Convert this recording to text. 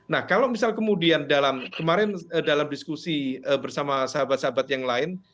nah kalau misal kemudian kemarin dalam diskusi bersama sahabat sahabat yang lain